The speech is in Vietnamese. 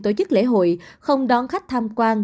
tổ chức lễ hội không đón khách tham quan